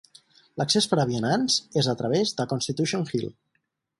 L'accés per a vianants és a través de Constitution Hill.